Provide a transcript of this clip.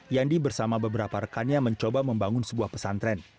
yandi bersama beberapa rekannya mencoba membangun sebuah pesantren